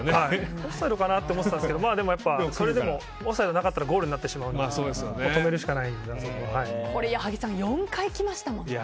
オフサイドかなと思ってたんですけどそれでもオフサイドがなかったらゴールになってしまうので矢作さん、４回来ましたもんね。